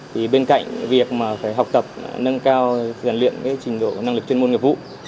thì bên cạnh việc học tập nâng cao giàn luyện trình độ năng lực chuyên môn nghiệp vụ